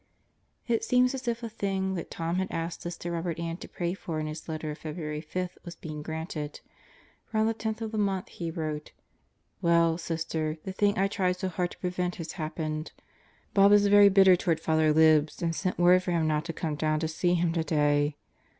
It seems as if the thing that Tom had asked Sister Robert Ann to pray for in his letter of February 5 was being granted; for on the 10th of the month he wrote "Well, Sister, the thing I tried so hard to prevent has happened. Bob is very bitter toward Father Libs and sent word for him not to come down to see him today.